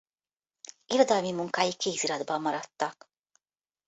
Irodalmi munkái kéziratban maradtak.